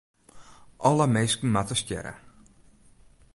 Alle minsken moatte stjerre.